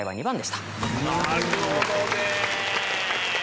なるほどね。